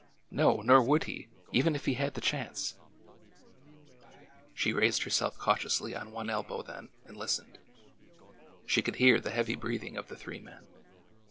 No, nor would he, even if he had th^ chance ! 230 ORDER NO. 11 She raised herself cautiously on one elbow then and listened. She could hear the heavy breathing of the three men.